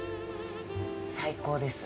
最高です。